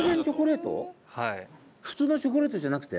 はい。